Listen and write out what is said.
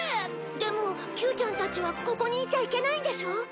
でもキューちゃんたちはここにいちゃいけないんでしょ？